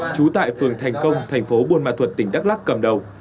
trú tại phường thành công thành phố buôn ma thuật tỉnh đắk lắc cầm đầu